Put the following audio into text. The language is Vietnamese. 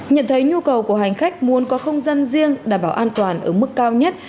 nhận thấy nhu cầu của hành khách muốn có không gian riêng đảm bảo an toàn ở mức cao nhất